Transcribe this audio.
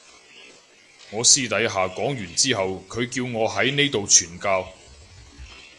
我私底下講完之後佢叫我喺呢度傳教